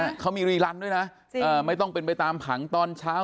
แล้วเขารีลั่นด้วยนะไม่ต้องไปตามขังตอนเช้า